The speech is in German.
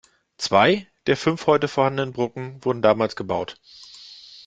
Zwei der fünf heute vorhandenen Brücken wurden damals gebaut.